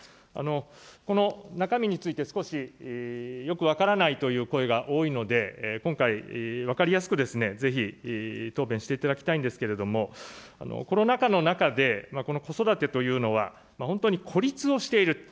この中身について、少しよく分からないという声が多いので、今回、分かりやすくぜひ答弁していただきたいんですけれども、コロナ禍の中で、この子育てというのは、本当に孤立をしていると。